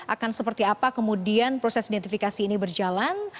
akan seperti apa kemudian proses identifikasi ini berjalan